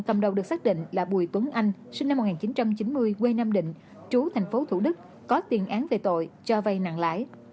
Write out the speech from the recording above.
quê nam định chú tp thủ đức có tiền án về tội cho vây nặng lãi